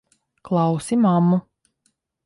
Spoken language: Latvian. Klausi mammu!